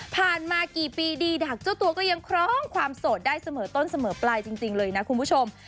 มากี่ปีดีดักเจ้าตัวก็ยังคล้องความโสดได้เสมอต้นเสมอปลายจริงเลยนะคุณผู้ชม